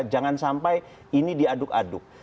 jangan sampai ini diaduk aduk